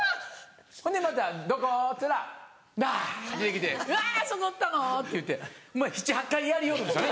ほんでまた「どこ？」って言ったら「ばぁ！」って出て来て「わぁそこおったの！」って言うて７８回やりよるんです。